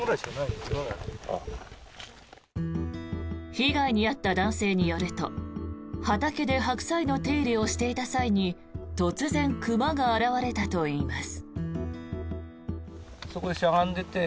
被害に遭った男性によると畑でハクサイの手入れをしていた際に突然、クマが現れたといいます。